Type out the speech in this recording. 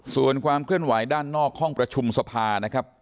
ส่วนความเคลื่อนไหวด้านนอกห้องประชุมสภานะครับ